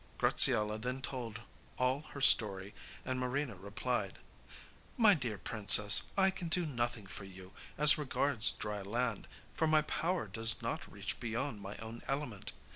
Graziella then told all her story and Marina replied: 'My dear princess, I can do nothing for you as regards dry land, for my power does not reach beyond my own element.